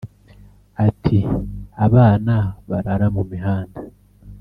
Ati” Abana barara mu mihanda